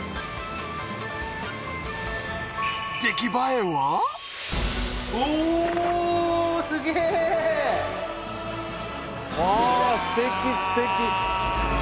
出来栄えはあすてきすてき。